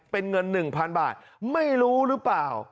เป็นเงิน๑๐๐๐บาทไม่รู้หรือเปล่า